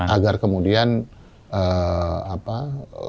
agar kemudian golongan usaha